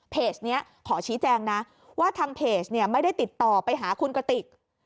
เพจนี้ขอชี้แจงนะว่าทางเพจเนี่ยไม่ได้ติดต่อไปหาคุณกติก